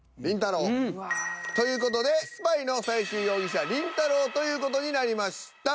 うわ。という事でスパイの最終容疑者りんたろー。という事になりました。